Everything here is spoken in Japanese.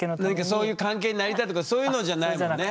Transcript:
そういう関係になりたいとかそういうのじゃないもんね。